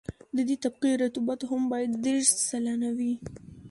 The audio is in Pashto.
د دې طبقې رطوبت هم باید دېرش سلنه وي